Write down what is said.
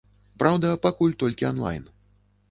Праўда, пакуль толькі анлайн.